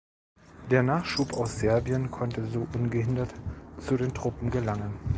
Der Nachschub aus Serbien konnte so ungehindert zu den Truppen gelangen.